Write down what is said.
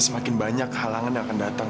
semakin banyak halangan yang akan datang